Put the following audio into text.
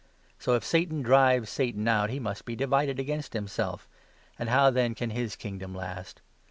So, if Satan drives Satan out, he must be divided against 26 himself; and how, then, can his kingdom last?